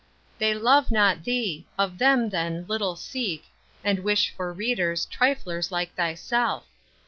They love not thee: of them then little seek, And wish for readers triflers like thyself.